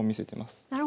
なるほど。